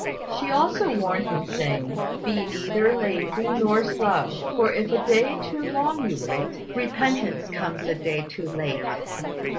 She also warned him, saying, "Be neither lazy nor slow For if a day too long you wait, Repentance comes a day too late."